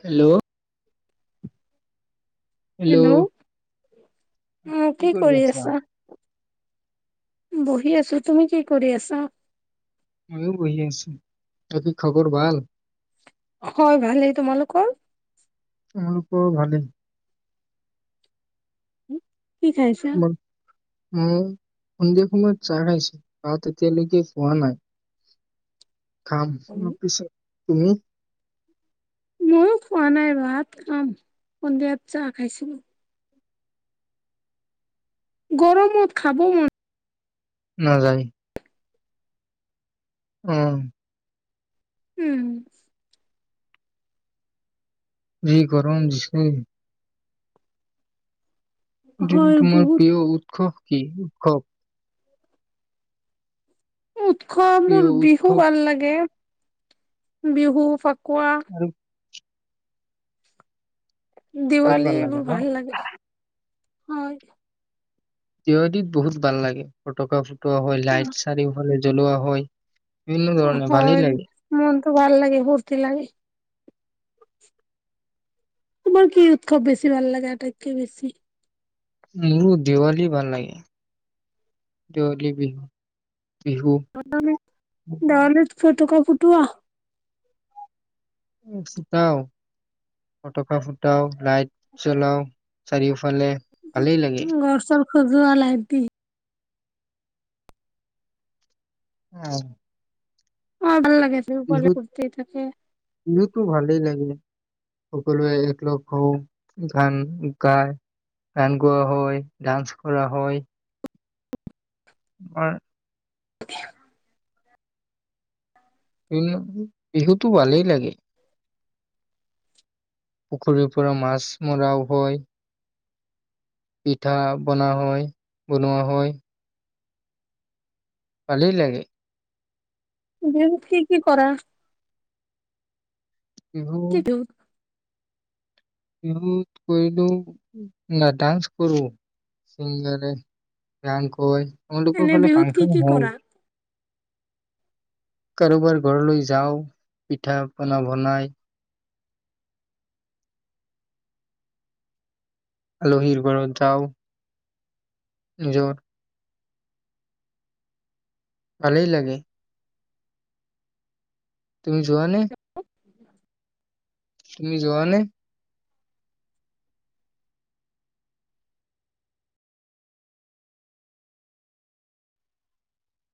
Hello hello উম কি কৰি আছা বহি আছোঁ, তুমি কি কৰি আছা? মইও বহি আছোঁ, বাকী খবৰ ভাল? হয় ভালেই, তোমালোকৰ? আমালোকৰো ভালেই। কি খাই আছা? মই মই সন্ধিয়া সময়ত চাহ খাইছোঁ, ভাত এতিয়ালৈকে খোৱা নাই। খাম, অলপ পিছত। তুমি? মইয়ো খোৱা নাই ভাত খাম, সন্ধিয়াত চাহ খাইছিলোঁ। গৰমত খাব মন নাযায়। অহ'। উম। যি গৰম দিছে। জিম হয় তোমাৰ বহুত প্ৰিয় উৎস কি কওঁক। উৎস, প্ৰিয় মোৰৰ বিহু উৎসৱ ভাল লাগে। বিহু, ফ্ৰক কোৱা। আৰু বহুত ভাল দেৱালীৰ লাগে এইবোৰ ন? ভাল লাগে। হয়। দেৱালীত বহুত ভাল লাগে, ফটকা ফু তোৰ হয়, লাইট চাৰিওফালে জ্বলোৱা হয়। বিভিন্ন অ' ধৰণে ভালেই হয়, লাগে। মনটো ভাল লাগে বহুত। দিলাহি তোমাৰ কি উৎসৱ বেছি ভাল লাগে আটাইতকৈ বেছি? মোৰো দেৱালী ভাল লাগে। দেৱালী, বিহু। বিহু ঘৰত যাওঁ নে দেৱালীত ফটকা ফু টুৱা উম, যাওঁ। ফটকা ফুটাও, লাইট জ্বলাও চাৰিওফ ফালে ভালেই লাগে। ঘৰ চৰ খজোৱা লাইট দি অহ' অ' ভাল লাগে বিহু পালে বিহুত, ফূৰ্তি থাকে বিহুতো ভালেই লাগে। সকলোৱে একলগ হওঁ, গান গায়, গান গোৱা হয়, ডান্স কৰা হয়। আমাৰ [inaudible] উম, বিহুতটো ভালেই লাগে। পুখুৰীৰ পৰা মাছ মৰাও হয়। পিঠা বনা হয় -বনোৱা হয়। ভালে লাগে। বিহুত কি কি কৰা। বিহু কি বিহুত [unintelligible] তেওঁলোকৰ এনে ফালে বিহুত কি ফাংচন কি হয়। কৰা কাৰোবাৰ ঘৰলৈ যাওঁ পিঠা পনা বনায়। আলোহীৰ ঘৰত যাওঁ। জৰ। ভালেই লাগে। তুমি যোৱা নে? তুমি যোৱা নে?